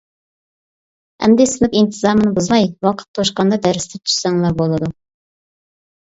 ئەمدى سىنىپ ئىنتىزامىنى بۇزماي، ۋاقىت توشقاندا دەرستىن چۈشسەڭلار بولىدۇ.